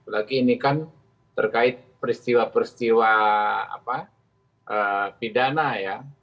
lagi ini kan terkait peristiwa peristiwa pidana ya